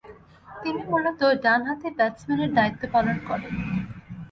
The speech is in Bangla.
তিনি মূলতঃ ডানহাতি ব্যাটসম্যানের দায়িত্ব পালন করেন।